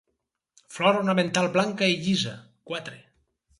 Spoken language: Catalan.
Flor ornamental blanca i llisa; quatre.